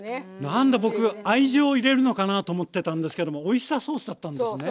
なんだ僕愛情を入れるのかなと思ってたんですけどもオイスターソースだったんですね。